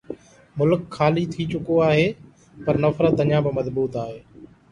ملڪ خالي ٿي چڪو آهي، پر نفرت اڃا به مضبوط آهي.